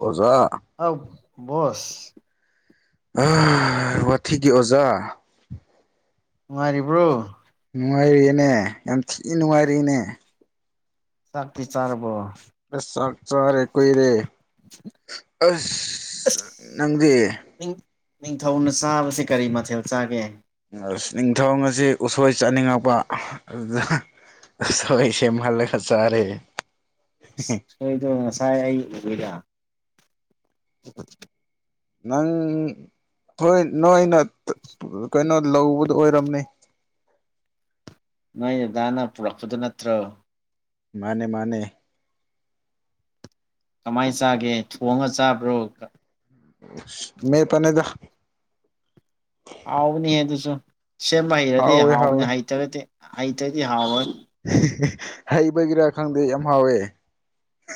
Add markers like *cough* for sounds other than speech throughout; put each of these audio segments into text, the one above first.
ꯑꯣꯖꯥ ꯑꯧ ꯕꯣꯁ ꯑꯥ ꯋꯥꯊꯤꯒꯤ ꯑꯣꯖꯥ ꯅꯨꯉꯥꯏꯔꯤꯕ꯭ꯔꯣ? ꯅꯨꯡꯉꯥꯏꯔꯤꯌꯦꯅꯦ ꯌꯥꯝꯊꯤ ꯅꯨꯡꯉꯥꯏꯔꯤꯅꯦ ꯆꯥꯛꯇꯤ ꯆꯥꯔꯕꯣ? ꯑꯁ ꯆꯥꯛ ꯆꯥꯔꯦ ꯀꯨꯏꯔꯦ ꯑꯁ ꯑꯁ ꯅꯪꯗꯤ ꯅꯤꯡ ꯅꯤꯡꯊꯧꯅ ꯆꯥꯕꯁꯤ ꯀꯔꯤ ꯃꯊꯦꯜ ꯆꯥꯒꯦ ꯑꯁ‌ ꯅꯤꯡꯊꯧ ꯉꯁꯤ ꯎꯁꯣꯏ ꯆꯥꯅꯤꯡꯉꯛꯄ ꯑꯗꯨꯗ ꯎꯁꯣꯏ ꯁꯦꯝꯍꯜꯂꯒ ꯆꯥꯔꯦ ꯎꯁꯣꯏꯗꯣ ꯉꯁꯥꯏ ꯑꯩ ꯎꯏꯗꯥ *inaudible* ꯅꯪ ꯈꯣꯏ ꯅꯣꯏꯅ *unintelligible* ꯀꯩꯅꯣ ꯂꯧꯕꯗꯣ ꯑꯣꯏꯔꯝꯃꯦ ꯅꯣꯏ ꯗꯥꯅ ꯄꯨꯔꯛꯄꯗꯨ ꯅꯠꯇ꯭ꯔꯣ? ꯃꯥꯅꯦ ꯃꯥꯅꯦ ꯀꯃꯥꯏ ꯆꯥꯒꯦ ꯊꯣꯡꯉ ꯆꯥꯕ꯭ꯔꯣ ꯎꯁ ꯃꯦꯠꯄꯅꯤꯗꯥ ꯍꯥꯎꯕꯅꯤꯍꯦ ꯑꯗꯨꯁꯨ ꯁꯦꯝꯕ ꯍꯩꯔꯗꯤ ꯍꯥꯎꯋꯦ ꯍꯥꯎꯕꯅꯤ ꯍꯥꯎꯋꯦ ꯍꯩꯇꯒꯗꯤ ꯍꯩꯇꫪꯗꯤ ꯍꯥꯎꯔꯣꯏ ꯍꯩꯕꯒꯤꯔꯥ ꯈꯪꯗꯦ ꯌꯥꯝ ꯍꯥꯎꯋꯦ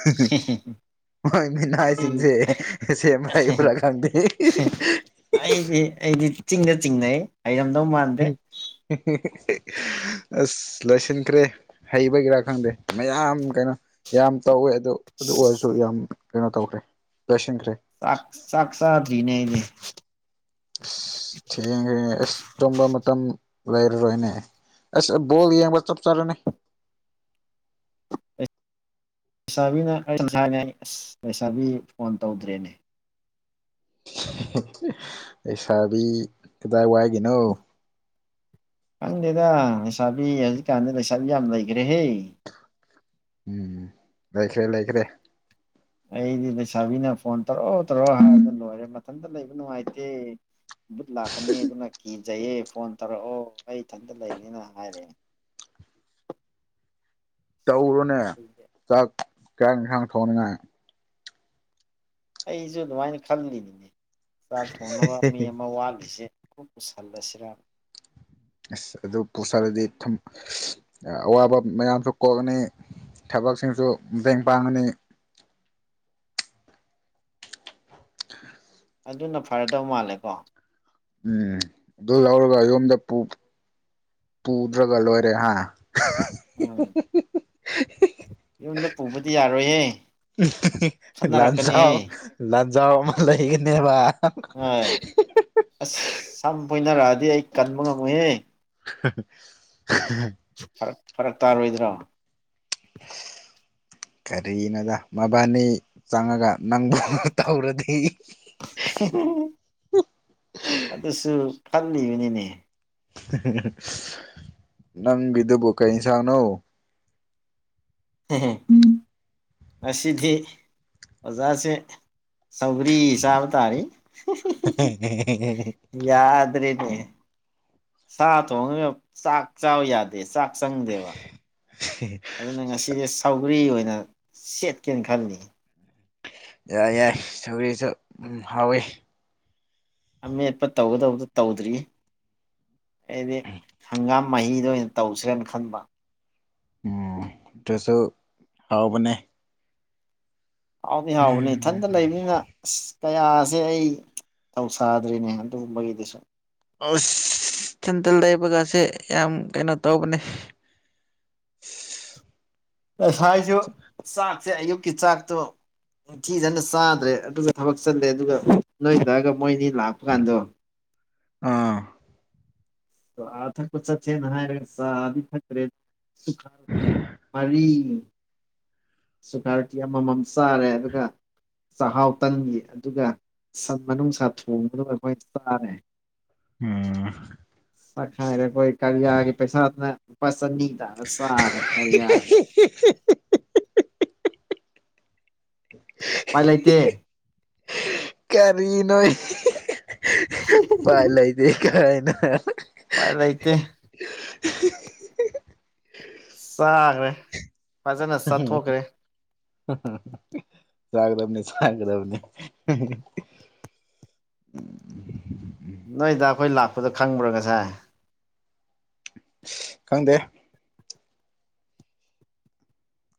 *unintelligible* ꯃꯣꯏ ꯃꯤꯅꯥꯏꯁꯤꯡꯁꯤ ꯁꯦꯝꯕ ꯍꯩꯕꯔꯥ ꯈꯪꯗꯤ ꯑꯩꯗꯤ ꯑꯩꯗꯤ ꯏꯆꯤꯡꯗ ꯆꯤꯡꯅꯩ ꯍꯩꯔꯝꯗꯧ ꯃꯥꯟ ꯎꯝ ꯑꯁ ꯂꯣꯏꯁꯤꯟꯈ꯭ꯔꯦ ꯍꯩꯕꯒꯤꯔꯥ ꯈꯪꯗꯦ ꯃꯌꯥꯝ ꯀꯩꯅꯣ ꯌꯥꯝ ꯇꯧꯋꯦ ꯑꯗꯣ ꯑꯗꯨ ꯑꯣꯏꯔꯁꯨ ꯌꯥꯝ ꯀꯩꯅꯣ ꯇꯧꯈ꯭ꯔꯦ ꯂꯣꯏꯁꯤꯟꯈ꯭ꯔꯦ꯫ ꯇꯥꯛ ꯆꯥꯛ ꯆꯥꯗꯔ꯭ꯤꯅꯦ ꯑꯩꯗꯤ꯫ ꯑꯁ ꯊꯦꯡꯈꯔꯅꯦꯉꯦ ꯑꯁ ꯇꯨꯝꯕ ꯃꯇꯝ ꯂꯩꯔꯔꯣꯏꯅꯦ꯫ ꯑꯁ ꯕꯣꯜ ꯌꯦꯡꯕ ꯆꯞ ꯆꯥꯔꯝꯃꯦ ꯑꯦ ꯂꯩꯁꯥꯕꯤꯅ ꯑꯩ ꯉꯁꯥꯏꯅ° ꯑꯁ ꯂꯩꯁꯥꯕꯤ ꯐꯣꯟ ꯇꯧꯗ꯭ꯔꯦꯅꯦ ꯂꯩꯁꯥꯕꯤ ꯀꯗꯥꯏꯋꯥꯏꯒꯤꯅꯣ ꯈꯪꯗꯦꯗꯥ ꯂꯩꯁꯥꯕꯤ ꯍꯧꯖꯤꯛꯀꯥꯟꯗꯤ ꯂꯩꯁꯥꯕꯤ ꯌꯥꯝ ꯂꯩꯒꯔ꯭ꯦꯍꯦ ꯎꯝ ꯂꯩꯈ꯭ꯔꯦ-ꯂꯩꯈ꯭ꯔꯦ ꯑꯩꯗꯤ ꯂꯩꯁꯥꯕꯤꯅ ꯐꯣꯟ ꯇꯧꯔꯛꯑꯣ-ꯇꯧꯔꯛꯑꯣ ꯍꯥꯏꯕꯗ ꯂꯣꯏꯔꯦ ꯃꯊꯟꯇ ꯂꯩꯕ ꯅꯨꯡꯉꯥꯏꯇꯦ ꯕꯨꯠ ꯂꯥꯛꯀꯅꯤ ꯑꯗꯨꯅ ꯀꯤꯖꯩꯌꯦ ꯐꯣꯟ ꯇꯧꯔꯛꯑꯣ ꯑꯩ ꯏꯊꯟꯇ ꯂꯩꯕꯅꯤꯅ ꯍꯥꯏꯔꯦ꯫ ꯇꯧꯔꯣꯅꯦ ꯆꯥꯛ ꯆꯥ ꯏꯟꯁꯥꯡ ꯊꯣꯡꯅꯤꯉꯥꯏ ꯑꯩꯖꯨ ꯑꯗꯨꯃꯥꯏꯅ ꯈꯜꯂꯤꯅꯤꯅꯦ ꯆꯥꯛ ꯊꯣꯡꯅꯕ ꯃꯤ ꯑꯃ ꯋꯥꯠꯂꯤꯁꯦ꯫ ꯈꯨꯝ ꯄꯨꯁꯜꯂꯁꯤꯔꯥ ꯑꯁ ꯑꯗꯨ ꯄꯨꯁꯜꯂꯗꯤ ꯊꯨꯝ ꯑꯋꯥꯕ ꯃꯌꯥꯝꯁꯨ ꯀꯣꯛꯑꯅꯤ꯫ ꯊꯕꯛꯁꯤꯡꯁꯨ ꯕꯦꯡ ꯄꯥꯡꯉꯅꯤ꯫ *unintelligible* ꯑꯗꯨꯅ ꯐꯔꯗꯧ ꯃꯥꯜꯂꯦꯀꯣ? ꯎꯝ ꯗꯨ ꯂꯧꯔꯒ ꯌꯨꯝꯗ ꯄꯨ- ꯄꯨꯗ꯭ꯔꯒ ꯂꯣꯏꯔꯦ ꯍꯥ ꯎꯝ ꯌꯨꯝꯗ ꯄꯨꯕꯗꯤ ꯌꯥꯔꯣꯏꯍꯦ- ꯈꯠꯅꯔꯛꯀꯅꯤꯍꯦ ꯂꯥꯟꯖꯥꯎ-ꯂꯥꯟꯖꯥꯎ ꯑꯃ ꯂꯩꯒꯅꯦꯕꯥ ꯍꫭꯏ ꯑꯁ ꯁꯝ ꯐꯣꯏꯅꯔꯛꯑꯗꯤ ꯑꯩ ꯀꯟꯕ ꯉꯝꯃꯣꯏꯍꯦ ꯍꯥꯍꯥ ꯐꯔꯛ- ꯐꯔꯛ ꯇꯥꯔꯣꯏꯗ꯭ꯔꯣ ꯀꯔꯤꯅꯣꯗꯥ ꯃꯕꯥꯅꯤ ꯆꯪꯉꯒ ꯅꯪꯕꯨ ꯇꯧꯔꯗꯤ ꯑꯗꯨꯁꯨ ꯈꯜꯂꯤꯕꯅꯤꯅꯦ ꯅꯪꯒꯤꯗꯨꯕꯨ ꯀꯩ ꯏꯟꯁꯥꯡꯅꯣ *unintelligible* ꯉꯁꯤꯗꯤ ꯑꯣꯖꯥꯁꯦ ꯁꯧꯒ꯭ꯔꯤ ꯆꯥꯕ ꯇꯥꯔꯤ *unintelligible* ꯌꯥꯗꯔꯦꯅꯦ ꯁꯥ ꯊꯣꯡꯉꯒꯥ ꯆꯥꯛ ꯆꯥꯎ ꯌꯥꯗꯦ ꯆꯥꯛ ꯆꯪꯗꯦꯕ *unintelligible* ꯑꯗꯨꯅ ꯉꯁꯤꯗꯤ ꯁꯧꯒ꯭ꯔꯤ ꯑꯣꯏꯅ ꯁꯦꯠꯀꯦꯅ ꯈꯜꯂꯤ ꯌꯥꯏ ꯌꯥꯏ ꯁꯧꯔꯤꯁꯨ ꯎꯝ ꯍꯥꯎꯋꯦ ꯑꯃꯦꯠꯄ ꯇꯧꯒꯗꯕꯗ ꯇꯧꯗ꯭ꯔꯤ ꯑꯩꯗꯤ ꯍꯪꯒꯥꯝ ꯃꯍꯤꯗꫭ ꯑꯣꯏꯅ ꯇꯧꯁꯤꯔꯅ ꯈꯟꯕ ꯎꯝ ꯑꯗꯨꯁꯨ ꯍꯥꯎꯕꯅꯦ ꯍꯥꯎꯗꯤ ꯍꯥꯎꯕꯅꯦ ꯎꯝ ꯏꯊꯟꯇ ꯂꯩꯕꯅꯤꯅ ꯑꯁ ꯇꯌꯥꯁꯦ ꯑꯩ ꯊꯧꯁꯥꯗ꯭ꯔꯤꯅꯦ ꯑꯗꯨꯒꯨꯝꯕꯒꯤꯗꯨꯁꯨ ꯑꯁ ꯏꯊꯟꯇ ꯂꯩꯕꯒꯁꯦ ꯌꯥꯝ ꯀꯩꯅꯣ ꯇꯧꯕꯅꯦ ꯉꯁꯥꯏꯁꯨ ꯆꯥꯛꯁꯦ ꯑꯌꯨꯛꯀꯤ ꯆꯥꯛꯇꯣ ꯅꯤꯡꯊꯤꯖꯅ ꯆꯥꯗ꯭ꯔꯦ ꯑꯗꯨꯒ ꯊꯕꯛ ꯆꯜꯂꯦ ꯑꯗꯨꯒ ꯅꯣꯏ ꯗꯥꯒꯥ ꯃꯣꯏꯅꯤ ꯂꯥꯛꯄ ꯀꯥꯟꯗꯣ ꯑꯥ ꯑꯥ ꯊꯛꯄꯥ ꯆꯠꯁꯦꯅ ꯍꯥꯏꯔꯒꯥ ꯆꯥꯗꯤ ꯊꯛꯇꯔꯦ *unintelligible* ꯃꯔꯤ ꯁꯨꯀꯔꯇꯤ ꯑꯃꯃꯝ ꯆꯥꯔꯦ ꯑꯗꯨꯒ ꯆꯥꯛꯍꯥꯎ ꯇꯟꯒꯤ ꯑꯗꯨꯒ ꯁꯟ ꯃꯅꯨꯡꯁꯥ ꯊꯣꯡꯕꯗꯨꯒꯥ ꯑꯩꯈꯣꯏ ꯆꯥꯔꯦ ꯎꯝ ꯆꯥꯛꯈꯥꯏꯔꯦ ꯑꯩꯈꯣꯏ ꯀꯔꯤꯌꯥꯒꯤ ꯄꯩꯁꯥꯅ ꯂꯨꯄꯥ ꯆꯅꯤ ꯇꯥꯔ ꯆꯥꯈ꯭ꯔꯦ ꯀꯔꯤꯌꯥꯒꯤ ꯍꯤ *unintelligible* ꯎꯄꯥꯏ ꯂꯩꯇꯦ ꯀꯔꯤꯅꯣ ꯎꯄꯥꯏ ꯂꯩꯇꯦ ꯀꯥꯏꯅꯣ ꯎꯄꯥꯏ ꯂꯩꯇꯦ ꯆꯥꯒ꯭ꯔꯦ ꯎ ꯆꯒꯔꯝꯅꯤ ꯆꯒꯗꯝꯅꯤ ꯑ ꯅꯣꯏꯗ ꯑꯩꯈꯣꯏ ꯂꯥꯛꯄꯗ ꯈꯪꯕ꯭ꯔꯥ ꯉꯁꯥꯏ ꯈꯪꯗꯦ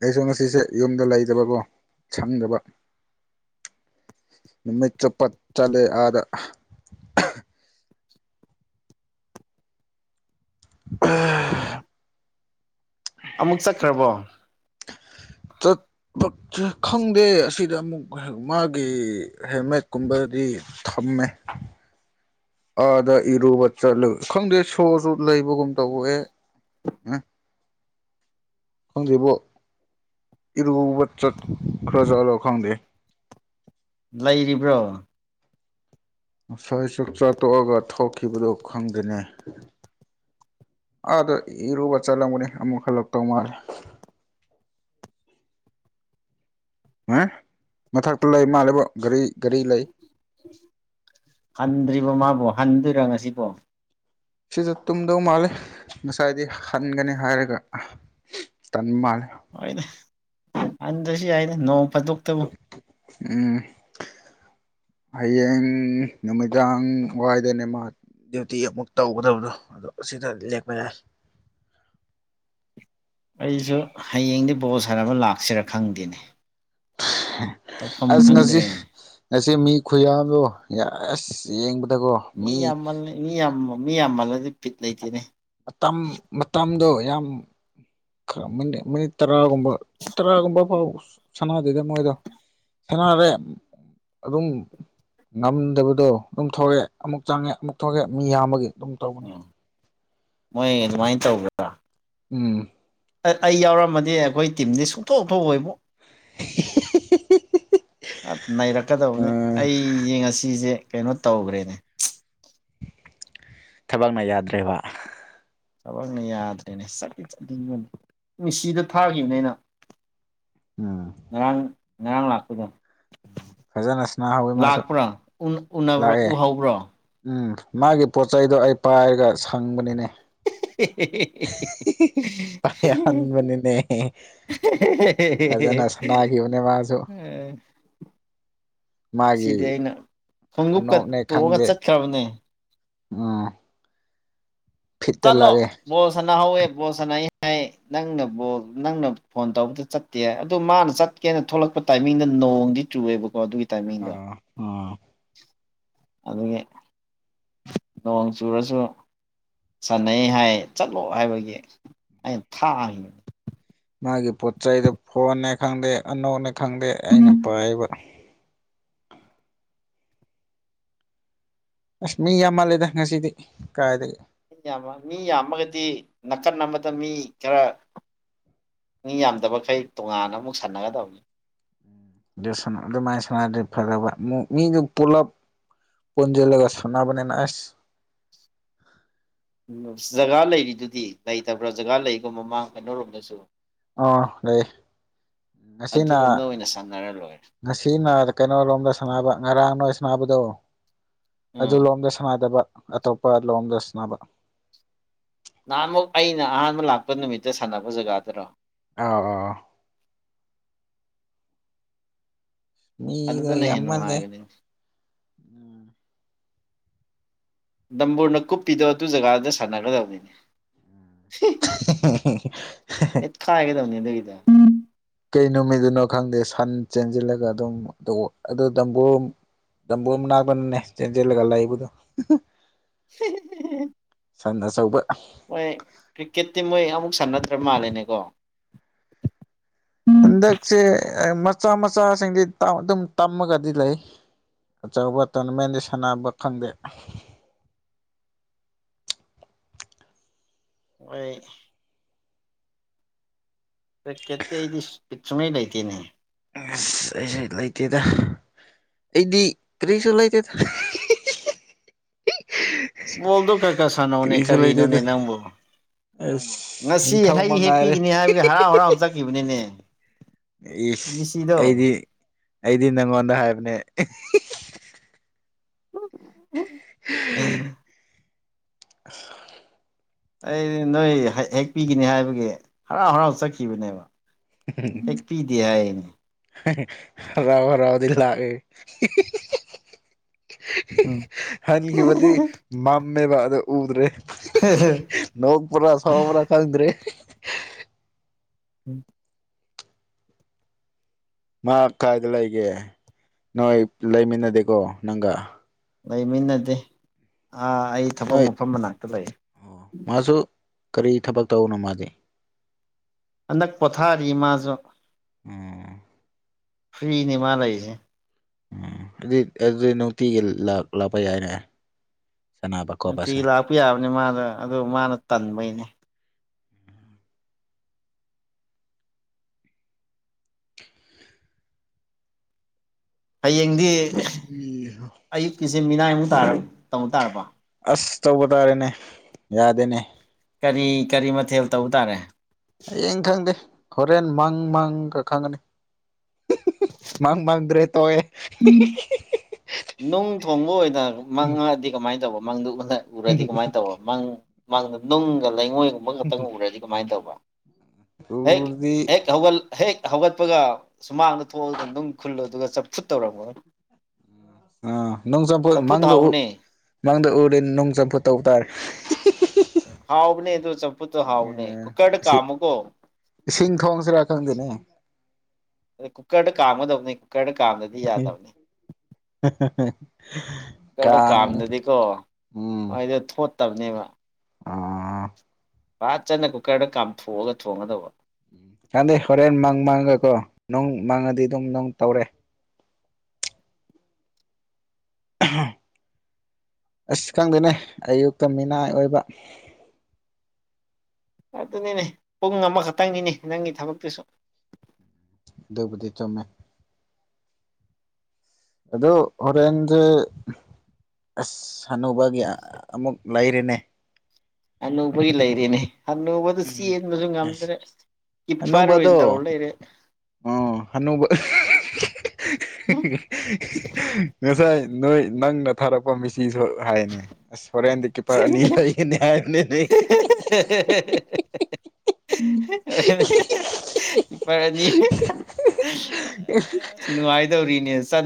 ꯑꯩꯁꯨ ꯉꯁꯤꯁꯦ ꯌꯨꯝꯗ ꯂꯩꯇꯕꯀꯣ ꯁꯪꯗꯕ ꯅꯩ ꯆꯄꯠ ꯆꯂꯦ ꯑꯥꯗ ꯎꯝ ꯑꯃꯨꯛ ꯆꯠꯈ꯭ꯔꯕꯣ ꯇ ꯈꯪꯗꯦ ꯑꯁꯤꯗ ꯑꯃꯨꯛ ꯃꯥꯒꯤ ꯍꯦꯜꯃꯦꯠꯀꯨꯝꯕꯗꯤ ꯊꯝꯃꯦ ꯑꯥꯗ ꯏꯔꯨꯕ ꯆꯠꯂꯨ ꯈꯪꯗꯦ ꯁꯣꯔꯁꯨ ꯂꯩꯕꯒꯨꯝ ꯇꯧꯕ ꯑꯦ ꯍꯥ ꯈꯪꯗꯦꯕ ꯏꯔꯨꯕ ꯆꯠꯈ꯭ꯔ ꯆꯠꯂꯣ ꯈꯪꯗꯦ ꯂꯩꯔꯤꯕ꯭ꯔꯣ ꯉꯁꯥꯏ ꯑꯁꯨꯛ ꯆꯥꯊꯣꯛꯑꯒ ꯊꯣꯛꯈꯤꯕꯗꯨ ꯈꯪꯗꯅꯤ ꯑꯥꯗ ꯏꯔꯨꯕ ꯆꯠꯂꯝꯒꯅꯤ ꯑꯃꯨꯛ ꯍꯜꯂ ꯇꯧ ꯃꯥꯜꯂꯦ ꯎ ꯃꯊꯛꯇ ꯂꯩ ꯃꯥꯜꯂꯦꯕꯣ ꯒꯥꯔꯤ ꯒꯥꯔꯤ ꯂꯩ ꯍꯟꯗ꯭ꯔꯤꯕꯣ ꯃꯥꯕꯨ ꯍꯟꯗꯣꯏꯔꯥ ꯉꯁꯤꯕꯣ ꯁꯤꯁꯨ ꯇꯨꯝꯗꯧ ꯃꯥꯜꯂꯦ ꯉꯁꯥꯏꯗꯤ ꯍꯟꯒꯅꯤ ꯍꯥꯏꯔꯒ ꯇꯟ ꯃꯥ ꯍꯣꯏꯗ ꯍꯟꯗꯔꯁꯨ ꯌꯥꯏꯗ ꯅꯣꯡ ꯐꯥꯗꯣꯛꯇꯕꯨ ꯎꯝ ꯍꯌꯦꯡ ꯅꯨꯃꯤꯗꯥꯡ ꯋꯥꯏꯗꯅꯦꯃ ꯗ꯭ꯌꯨꯇꯤ ꯑꯃꯨꯛ ꯇꯧꯒꯗꯕꯗꯣ ꯑꯗꯣ ꯑꯁꯤꯗ ꯂꯦꯛꯞꯄ ꯌꯥꯏ ꯑꯩꯁꯨ ꯍꯌꯦꯡꯗꯤ ꯕꯣꯜ ꯁꯥꯟꯅꯕꯥ ꯂꯥꯛꯁꯤꯔꯥ ꯈꯪꯗꯦꯅꯦ ꯇꯧꯐꯝ ꯑꯁ ꯉꯁꯤ ꯈꯪꯗ꯭ꯔꯦꯅꯦ ꯉꯁꯤ ꯃꯤ ꯈꯨꯌꯥꯗꯣ ꯑ ꯑꯁ ꯌꯦꯡꯕꯗꯀꯣ ꯃꯤ ꯌꯥꯝꯃꯜꯂ ꯃꯤ ꯌꯥꯝ ꯃꯤ ꯌꯥꯝꯃꯜꯂꯗꯤ ꯄꯤꯠ ꯂꯩꯇꯦꯅꯦ ꯃꯇꯝ ꯃꯇꯝꯗꯣ ꯌꯥꯝ ꯈꯔ ꯃꯤꯅꯤ ꯃꯤꯅꯤꯠ ꯇꯔꯥꯒꯨꯝꯕ ꯇꯔꯥꯒꯨꯝꯕ ꯐꯥꯎꯕ ꯁꯅꯥꯗꯗ ꯃꯣꯏꯗꯣ ꯁꯅꯔꯦ ꯑꯗꯨꯝ ꯉꯝꯗꯕꯗꯣ ꯑꯗꯨꯝ ꯊꯣꯛꯑꯦ ꯑꯃꯨꯛ ꯆꯪꯉꯦ ꯑꯃꯨꯛ ꯊꯣꯛꯂꯛꯑꯦ ꯃꯤ ꯌꯥꯝꯕꯒꯤ ꯑꯗꯨꯝ ꯇꯧꯕꯅꯤ ꯎꯝ ꯃꯣꯏ ꯑꯗꯨꯃꯥꯏꯅ ꯇꯧꯕ꯭ꯔꯥ ꯎꯝ ꯑꯩ ꯌꯥꯎꯔꯝꯃꯗꯤ ꯑꯩꯈꯣꯏ ꯇꯤꯝꯗꯤ ꯁꯨꯡꯊꯣꯛ ꯊꯣꯛꯑꯣꯏꯕꯣ ꯅꯩꯔꯛꯀꯗꯕꯅꯦ ꯑꯩꯁꯦ ꯉꯁꯤꯁꯦ ꯀꯩꯅꯣ ꯇꯧꯈ꯭ꯔꯦꯅꯦ ꯊꯕꯛꯅ ꯌꯥꯗ꯭ꯔꯦꯕ ꯊꯕꯛꯅ ꯌꯥꯗ꯭ꯔꯦꯅꯦ ꯆꯠꯇꯤ ꯆꯠꯅꯤꯡꯕꯅꯤ ꯃꯤꯁꯤꯗ ꯊꯥꯈꯤꯕꯅꯤ ꯑꯩꯅ ꯎꯝ ꯉꯔꯥꯡ ꯉꯔꯥꯡ ꯂꯥꯛꯄꯗ ꯐꯖꯅ ꯁꯅꯥꯍꯧꯋꯤ ꯃꯥꯁꯨ ꯂꯥꯛꯄ꯭ꯔꯥ ꯂꯥꯛꯑꯦ ꯎꯍꯧꯕ꯭ꯔꯣ ꯎꯝ ꯃꯥꯒꯤ ꯄꯣꯠ ꯆꯩꯗꯣ ꯑꯩ ꯄꯥꯏꯔꯒ ꯁꯪꯕꯅꯤꯅꯦ *inaudible* ꯄꯥꯏꯟ ꯃꯅꯤꯅꯦ ꯐꯖꯅ ꯁꯅꯥꯒꯤꯅꯦ ꯃꯥꯁꯨꯁꯨ ꯃꯥꯒꯤ ꯁꯤꯗꯤ ꯑꯩꯅ ꯈꯣꯡꯎꯞꯀ ꯅꯣꯛꯅꯦ ꯇꯣꯡꯑꯒ ꯈꯪꯗꯦ ꯆꯠꯈ꯭ꯔꯕꯅꯦ ꯎꯝ ꯐꯤꯠꯇ ꯆꯠꯂꯣ ꯂꯥꯛꯑꯦ ꯕꯣꯜ ꯁꯅꯥ ꯍꯧꯋꯦ ꯕꯣꯜ ꯁꯥꯅꯩꯌꯦ ꯍꯥꯏ ꯅꯪꯅꯕꯨ ꯅꯪꯅ ꯐꯣꯟ ꯇꯧꯕꯗ ꯆꯠꯇꯦ ꯑꯗꯨ ꯃꯥꯅ ꯆꯠꯀꯦꯅ ꯊꯣꯛꯂꯛꯄ ꯇꯥꯏꯃꯤꯡꯗ ꯅꯣꯡꯗꯤ ꯆꯨꯌꯦꯕꯀꯣ ꯑꯗꯨꯒꯤ ꯇꯥꯏꯃꯤꯡꯗꯣ ꯑꯥ ꯑꯥ ꯑꯗꯨꯒꯤ ꯅꯣꯡ ꯆꯨꯔꯁꯨ ꯁꯥꯟꯅꯩ ꯍꯥꯏ ꯆꯠꯂꯣ ꯍꯥꯏꯕꯒꯤ ꯑꯩꯅ ꯊꯥꯡꯈꯤꯕꯅꯤ ꯃꯥꯒꯤ ꯄꯣꯠ ꯆꯩꯗ ꯐꯣꯟꯅꯦ ꯈꯪꯗꯦ ꯑꯅꯧꯅꯦ ꯈꯪꯗꯦ ꯑꯩꯅ ꯄꯥꯏꯕ ꯑꯁ ꯃꯤ ꯌꯥꯝ ꯃꯥꯜꯂꯦꯗ ꯉꯁꯤꯗꯤ ꯀꯥꯏꯗꯒꯤ ꯃꯤ ꯌꯥꯝ ꯃꯤ ꯌꯥꯝꯃꯒꯗꯤ ꯅꯥꯀꯟ ꯑꯃꯗ ꯃꯤ ꯈꯔ ꯃꯤ ꯌꯥꯝꯗꯕꯈꯩ ꯇꯣꯉꯥꯟꯅ ꯑꯃꯨꯛ ꯁꯥꯟꯅꯒꯗꯕꯅꯤ ꯑꯗꯨꯃꯥꯏꯅ ꯁꯅꯗꯤ ꯐꯗꯧꯕ ꯃꯤꯗꯨ ꯄꯨꯂꯞ ꯄꯨꯟꯖꯜꯂꯒ ꯁꯅꯥꯕꯅꯤꯅ ꯑꯁ ꯎꯝ ꯖꯒꯥ ꯂꯩꯔꯤꯗꯨꯗꯤ ꯂꯩꯇꯕ꯭ꯔꯥ ꯖꯒꯥ ꯂꯩꯒꯣ ꯃꯃꯥꯡ ꯀꯩꯅꯣꯔꯣꯝꯗꯁꯨ ꯑꯥ ꯂꯩ ꯉꯁꯤꯅ ꯑꯗꯨꯔꯣꯝꯗ ꯑꯣꯏꯅ ꯁꯥꯟꯅꯔ ꯂꯣꯏꯔꯦ ꯉꯁꯤꯅ ꯀꯩꯅꯣꯔꯣꯝꯗ ꯁꯅꯕ ꯉꯔꯥꯡ ꯁꯥꯟꯅꯕꯗꯣ ꯑꯗꯨ ꯎꯝ ꯂꯣꯝꯗ ꯁꯥꯟꯅꯥꯗꯕ ꯑꯇꯣꯞꯄ ꯂꯣꯝꯗ ꯁꯅꯕ ꯅꯍꯥꯟꯃꯨꯛ ꯑꯩꯅ ꯑꯍꯥꯟꯕ ꯂꯥꯛꯄ ꯅꯨꯃꯤꯠꯇ ꯁꯥꯟꯅꯕ ꯖꯒꯥꯗꯨꯔꯣ ꯑꯥꯎ ꯑꯥꯎ ꯃꯤꯒ ꯑꯗꯨꯗꯅ ꯌꯥꯝ ꯍꯦꯟꯅ ꯃꯥꯜꯂꯦ ꯅꯨꯡꯉꯥꯏꯕꯅꯤ ꯗꯝꯕꯣꯔꯅ ꯀꯨꯞꯄꯤꯗꫭ ꯑꯗꯨ ꯖꯒꯥꯗꯨꯗ ꯁꯥꯟꯅꯒꯗꯕꯅꯤꯅꯦ *inaudible* *inaudible* ꯀꯩ ꯅꯨꯃꯤꯠꯗꯅꯣ ꯈꯪꯗꯦ ꯁꯟ ꯆꯦꯟꯖꯤꯜꯂꯒ ꯑꯗꯨꯝ ꯑꯗꯨ ꯇꯝꯕꯨꯔ ꯇꯝꯕꯨꯔ ꯃꯅꯥꯛꯇꯅꯤꯅꯦ ꯆꯦꯟꯖꯤꯜꯂꯒ ꯂꯥꯛꯏꯕꯗꯣ ꯍ *inaudible* ꯁꯟ ꯑꯆꯧꯕ ꯃꯣꯏ ꯀ꯭ꯔꯤꯛꯀꯦꯠꯇꯤ ꯃꯣꯏ ꯑꯃꯨꯛ ꯁꯝꯅꯗ꯭ꯔ ꯃꯥꯂꯦꯅꯦꯀꯣ ꯍꯟꯗꯛꯁꯦ ꯃꯆꯥ ꯃꯆꯥꯁꯤꯡꯗꯤ ꯑꯗꯨꯝ ꯇꯝꯃꯒꯗꯤ ꯂꯩ ꯑꯆꯧꯕ ꯇꯣꯔꯅꯥꯃꯦꯟꯗꯤ ꯁꯥꯟꯅꯕ ꯈꯪꯗꯦ ꯃꯩꯏ ꯀꯔ꯭ꯤꯀꯦꯠꯇꯤ ꯑꯩꯗꯤ ꯕꯤꯠ ꯁꯨꯡꯂꯩ ꯂꯩꯇꯦꯅꯦ ꯑꯁ ꯑꯩꯁꯨ ꯂꯩꯇꯦꯗ ꯑꯩꯗꯤ ꯀꯔꯤꯁꯨ ꯂꯩꯇꯦꯗ ꯕꫭꯜꯗꯣ ꯈꯔ ꯈꯔ ꯁꯥꯟꯅꯧꯅꯦ ꯀꯔꯤꯁꯨ ꯀꯥꯔꯤꯅꯣꯅꯦ ꯂꯩꯇꯦꯗ ꯅꯪꯕꯨ ꯑꯁ ꯉꯁꯤ ꯅꯤꯡꯊꯧ ꯍꯩ ꯃꯉꯥꯏꯔꯦ ꯍꯦꯛꯄꯤꯒꯅꯤ ꯍꯥꯏꯕꯒꯤ ꯍꯔꯥꯎ ꯍꯔꯥꯎ ꯆꯠꯈꯤꯕꯅꯤꯅꯦ ꯏꯁꯁ ꯑꯩꯗꯤ ꯃꯤꯁꯤꯗꯣ ꯑꯩꯗꯤ ꯅꯪꯉꯣꯟꯗ ꯍꯥꯏꯕꯅꯦ *inaudible* ꯑꯩꯗꯤ ꯅꯣꯏ ꯍꯦꯛ ꯄꯤꯒꯅꯤ ꯍꯥꯏꯕꯒꯤ ꯍꯔꯥꯎ ꯍꯔꯥꯎ ꯆꯠꯈꯤꯕꯅꯦꯕ ꯑꯦ ꯄꯤꯗꯦ ꯍꯥꯏꯅꯦ ꯍꯔꯥꯎ ꯍꯥꯔꯎꯗꯤ ꯂꯥꯛꯑꯦ ꯍꯟꯒꯤꯕꯗꯤ ꯃꯝꯃꯦꯕꯕꯥ ꯑꯗꯨ ꯎꯗ꯭ꯔꯦ ꯅꯣꯛꯄ꯭ꯔꯥ ꯁꯋꯥꯕ꯭ꯔ ꯈꯪꯗ꯭ꯔꯦ ꯎꯝ *inaudible* ꯃꯍꯥꯛ ꯀꯥꯏꯗ ꯂꯩꯒꯦ ꯅꯣꯏ ꯂꯩꯃꯤꯟꯅꯗꯦꯀꯣ ꯅꯪꯒ ꯂꯩꯃꯤꯟꯅꯗꯦ ꯑꯥ ꯑꯩ ꯊꯕꯛ ꯅꯣꯏ ꯃꯐꯝ ꯃꯅꯥꯛꯇ ꯂꯩ ꯃꯥꯁꯨ ꯀꯔꯤ ꯊꯕꯛ ꯇꯧꯕꯅꯣ ꯃꯥꯗꯤ ꯑꯅꯛ ꯄꫭꯊꯥꯔꯤꯃꯥꯖꯨ ꯎꯝ ꯐꯔꯤꯅꯦ ꯃꯥ ꯂꯩꯖꯦ ꯎꯝ ꯑꯗꯨꯗꯤ ꯑꯗꯨꯗꯤ ꯅꯨꯡꯇꯤꯒꯤ ꯂꯥꯛꯄ ꯌꯥꯏꯅꯦ ꯁꯥꯟꯅꯕ ꯅꯨꯡꯇꯤ ꯈꯣꯠꯄꯁꯦ ꯂꯥꯛꯄ ꯌꯥꯕꯅꯤ ꯃꯥꯗ ꯑꯗꯨ ꯃꯥꯅ ꯇꯟꯕꯩꯅꯦ ꯍꯌꯦꯡꯗꯤ ꯑꯌꯨꯛꯀꯤꯖꯦ ꯃꯤꯅꯥꯏꯃꯨꯛ ꯇꯥ ꯇꯧ ꯇꯥꯔꯕ ꯑꯁ ꯇꯧꯕ ꯇꯥꯔꯦꯅꯦ ꯌꯥꯗꯦꯅꯦ ꯀꯔꯤ ꯀꯔꯤ ꯃꯊꯦꯜ ꯇꯧꯕ ꯇꯥꯔꯦ ꯍꯌꯦꯡ ꯈꯪꯗꯦ ꯍꯣꯔꯦꯟ ꯃꯪ ꯃꯪꯒ ꯈꯪꯉꯅꯤ ꯃꯥꯡ ꯃꯥꯡꯗ꯭ꯔꯦ ꯇꯧꯋꯦ ꯎꯝ ꯅꯨꯡ ꯊꯣꯡꯕ ꯑꯣꯏꯅ ꯃꯪꯉꯛꯑꯗꯤ ꯀꯃꯥꯏꯅ ꯇꯧꯕ ꯃꯪꯗꯨ ꯎꯔꯗꯤ ꯀꯃꯥꯏꯅ ꯇꯧꯕ ꯃꯪ ꯃꯥꯡꯗ ꯅꯨꯡꯒ ꯂꯩꯉꯣꯏꯒꯨꯝꯕ ꯈꯛꯇꯪ ꯎꯔꯗꯤ ꯀꯃꯥꯏꯅ ꯇꯧꯕ ꯍꯦꯛ ꯎꯔꯗꯤ ꯍꯦꯛ ꯍꯧꯒꯜ ꯍꯦꯛ ꯍꯧꯒꯠꯄꯒ ꯁꯨꯃꯥꯡꯗ ꯊꯣꯛꯑꯣ ꯑꯗꯨꯒ ꯅꯨꯡ ꯈꯨꯜꯂꯨ ꯑꯗꯨꯒ ꯆꯞꯐꯨꯠ ꯇꯧꯔꯝꯃꯣ ꯑꯥ ꯅꯣꯡ ꯆꯝꯐꯨꯠ ꯃꯪꯗ ꯎ ꯃꯪꯗ ꯎꯔꯦ ꯅꯣꯡ ꯆꯝꯐꯨ ꯇꯧꯕ ꯇꯥꯔꯦ ꯑꯣ ꯍꯥꯎꯕꯅꯦ ꯑꯗꯨꯗꯣ ꯆꯝꯐꯨꯠꯇꯣ ꯍꯥꯎꯕꯅꯦ ꯀꯨꯀꯔꯗ ꯏꯁꯤꯡ ꯀꯥꯝꯃꯨꯀꯣ ꯏꯁꯤꯡ ꯊꯣꯡꯁꯤꯔ ꯈꯪꯗꯦꯅꯦ ꯑꯦ ꯀꯨꯀꯔꯗ ꯀꯥꯝꯒꯗꯕꯅꯤ ꯀꯨꯀꯔꯗ ꯀꯥꯝꯗꯗꯤ ꯌꯥꯗꯕꯅꯤ ꯀꯨꯀꯥꯔꯗ ꯀꯥꯡ ꯀꯝꯗꯗꯤ ꯀꯣ ꯃꯣꯏꯗꯤ ꯊꯣꯠ ꯇꯕꯅꯦꯕ ꯑꯣ ꯐꯖꯠꯅ ꯀꯨꯀꯔꯗ ꯀꯥꯝꯊꯣꯛꯑꯒ ꯊꯣꯡꯒꯗꯧꯕ ꯀꯥꯟꯗꯦ ꯍꯣꯔꯦꯟ ꯃꯪ ꯃꯥꯡꯒꯀꯣ ꯅꯨꯡ ꯃꯪꯉꯗꯤ ꯑꯗꯨꯝ ꯅꯨꯡ ꯇꯧꯔꯦ ꯑꯁ ꯈꯪꯗꯦꯅꯦ ꯑꯌꯨꯛꯇ ꯃꯤꯅꯥꯏ ꯑꯣꯏꯕ ꯑꯗꯨꯅꯤꯅꯦ ꯄꯨꯡ ꯑꯃꯈꯛꯇꯪꯒꯤꯅꯦ ꯅꯪꯒꯤ ꯊꯕꯛꯇꯨꯁꯨ ꯑꯗꯨꯕꯨꯗꯤ ꯆꯨꯝꯃꯦ ꯑꯗꯣ ꯍꯣꯔꯦꯟꯖꯦ ꯑꯁ ꯁꯥꯟꯅꯨꯅꯕꯒꯤ ꯑꯃꯨꯛ ꯂꯩꯔꯦꯅꯦ ꯑꯅꯧꯕꯒꯤ ꯂꯩꯔꯤꯅꯦ ꯍꯟꯅꯨꯕꯗꯨ ꯎꯝ ꯆꯦꯟꯕꯁꯨ ꯑꯁ ꯉꯝꯗ꯭ꯔꯦ ꯀꯤꯄꯔ ꯑꯣꯏꯅ ꯇꯧ ꯂꯩꯔꯦ ꯑꯥ ꯍꯅꯨꯕ *unintelligible* ꯉꯁꯥꯏ ꯅꯣꯏ ꯅꯪꯅ ꯊꯥꯔꯛꯄ ꯃꯤꯁ ꯐꯤꯁꯨ ꯍꯥꯏꯅꯦ ꯑꯁ ꯍꯣꯔꯦꯟꯗꯤ ꯀꯤꯞꯄꯔ ꯑꯅꯤ ꯂꯒꯅꯤ ꯍꯥꯏꯅꯦꯅꯦ *unintelligible* ꯀꯤꯄꯥꯔꯅꯤ ꯅꯨꯡꯉꯥꯏꯗꯧꯔꯤꯅꯦ